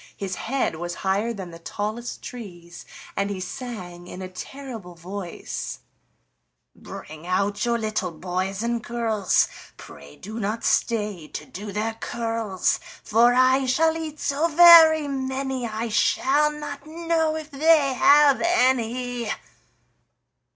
His head was higher than the tallest trees, and he sang in a terrible voice: "Bring out your little boys and girls, Pray do not stay to do their curls, For I shall eat so very many, I shall not know if they have any."